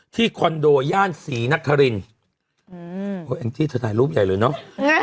ที่คอนโดย่านสีนักฐะรินอืมเขาแอ็งที่เธอถ่ายรูปใหญ่เลยเนาะนะฮะ